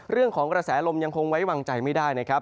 เรื่องของกระแสลมยังคงไว้วางใจไม่ได้นะครับ